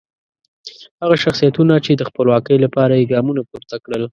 هغه شخصیتونه چې د خپلواکۍ لپاره یې ګامونه پورته کړل.